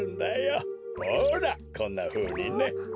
ほらこんなふうにね。